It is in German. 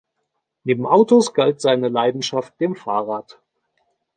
Neben Autos galt seine Leidenschaft dem Fahrrad.